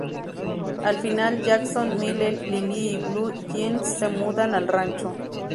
Al final, Jackson, Miley, Lilly y Blue Jeans se mudan al rancho.